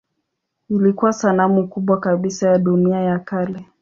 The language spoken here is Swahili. Ilikuwa sanamu kubwa kabisa ya dunia ya kale.